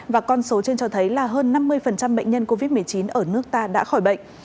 và con số trên cho thấy là hơn năm mươi bệnh nhân covid một mươi chín ở nước ta đã khỏi bệnh